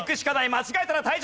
間違えたら退場！